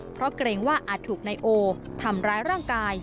เพราะเกรงว่าอาจถูกนายโอทำร้ายร่างกาย